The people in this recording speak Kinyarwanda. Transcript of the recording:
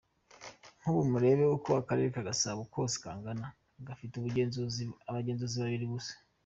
Nk’ubu murebe uko Akarere ka Gasabo kose kangana, gafite abagenzuzi babiri gusa.